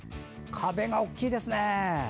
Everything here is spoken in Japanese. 壁が大きいですね！